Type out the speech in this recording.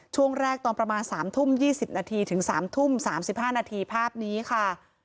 ช่วงแรกตอนประมาณ๓๓๐นถึง๓๓๕นภาพนี้ค่ะ